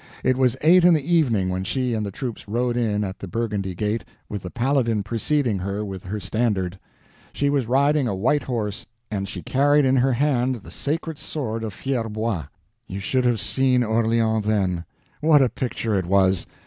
It was eight in the evening when she and the troops rode in at the Burgundy gate, with the Paladin preceding her with her standard. She was riding a white horse, and she carried in her hand the sacred sword of Fierbois. You should have seen Orleans then. What a picture it was!